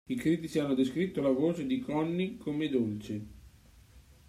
I critici hanno descritto la voce di Connie come "dolce".